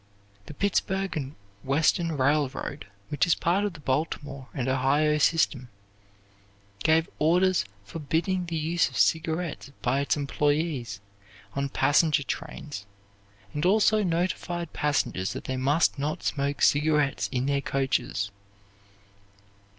The Pittsburg and Western Railroad which is part of the Baltimore and Ohio system, gave orders forbidding the use of cigarettes by its employees on passenger trains and also notified passengers that they must not smoke cigarettes in their coaches.